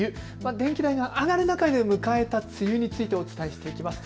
電気代が上がる中で迎えた梅雨についてお伝えしていきます。